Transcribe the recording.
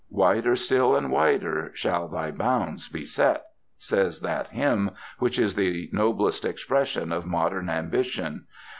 "Wider still and wider Shall thy bounds be set," says that hymn which is the noblest expression of modern ambition.